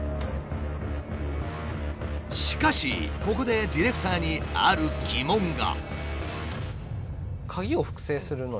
しかしここでディレクターにある疑問が。